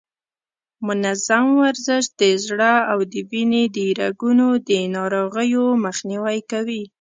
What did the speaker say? منظم ورزش د زړه او د وینې د رګونو د ناروغیو مخنیوی کوي.